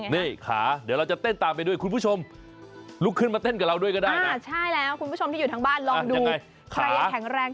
เดี๋ยวเราจะเต้นตามไปด้วยคุณผู้ชมลุกขึ้นมาเต้นกับเราด้วยก็ได้นะอ่าใช่แล้วคุณผู้ชมที่อยู่ทั้งบ้านลองดูใครแข็งแรงแข็งได้ด้วยหรือเปล่า